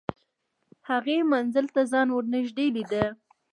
هغې منزل ته ځان ور نږدې لیده